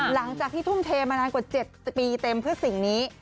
หลังจากที่ทุ่มเทมานานกว่า๗ปีเต็มเพื่อสิ่งนี้